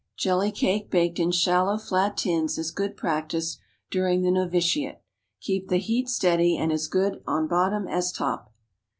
Jelly cake, baked in shallow flat tins, is good practice during the novitiate. Keep the heat steady, and as good at bottom as top.